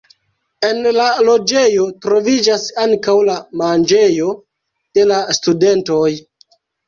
En la loĝejo troviĝas ankaŭ la manĝejo de la studentoj.